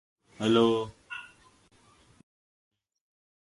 Framont near Schirmeck in Alsace is another well-known locality.